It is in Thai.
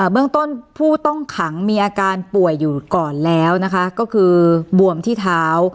เบื้องต้นผู้ต้องขังมีอาการป่วยอยู่ก่อนแล้วนะคะก็คือบวมที่เท้า